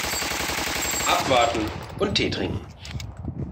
Abwarten und Tee trinken.